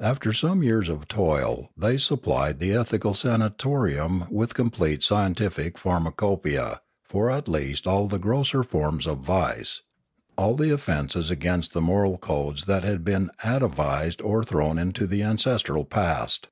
After some years' toil they sup plied the ethical sanatorium with a complete scientific pharmacopoeia, for at least all the grosser forms of vice, all the offences against the moral codes that had been atavised or thrown into the ancestral past.